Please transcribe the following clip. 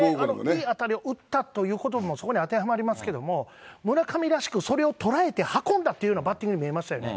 大きい当たりを打ったということもそこに当てはまりますけれども、村上らしくそれを捉えて運んだというバッティングに見えましたよね。